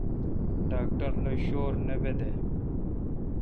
ڈاکٹر لو شور نہ بیدہ۔